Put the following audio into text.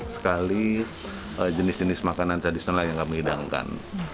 sekali jenis jenis makanan tradisional yang kami hidangkan